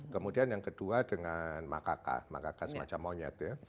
kemudian yang kedua dengan makaka makaka semacam monyet ya